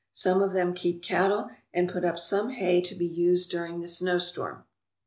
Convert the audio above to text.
Some of them keep cattle and put up some hay to be used during the snowstorms.